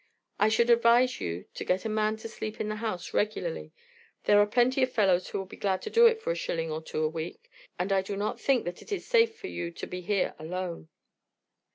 I should advise you to get a man to sleep in the house regularly; there are plenty of fellows who will be glad to do it for a shilling or two a week, and I do not think that it is safe for you to be here alone."